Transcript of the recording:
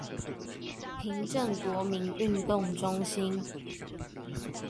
平鎮國民運動中心